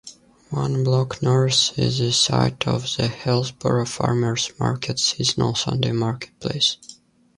One block north is the site of the Hillsboro Farmer's Market's seasonal Sunday marketplace.